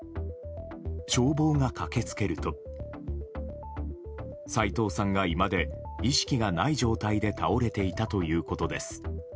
消防が駆け付けると斎藤さんが居間で意識がない状態で倒れていたということです。